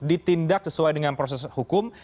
ditindak sesuai dengan proses hukum